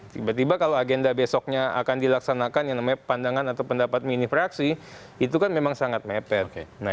tiba tiba kalau agenda besoknya akan dilaksanakan yang namanya pandangan atau pendapat mini fraksi itu kan memang sangat mepet